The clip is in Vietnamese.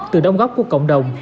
từ đóng góp của cộng đồng